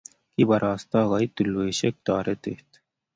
Keparasta koit tulwesiek toretet